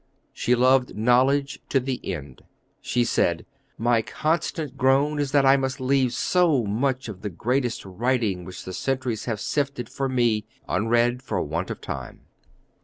She loved knowledge to the end. She said, "My constant groan is that I must leave so much of the greatest writing which the centuries have sifted for me, unread for want of time."